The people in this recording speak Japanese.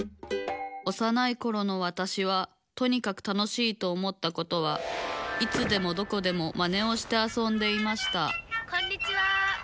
おさないころのわたしはとにかく楽しいと思ったことはいつでもどこでもマネをしてあそんでいましたこんにちは。